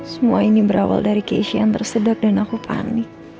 semuanya berawal dari keisian yang tersedot dan aku panik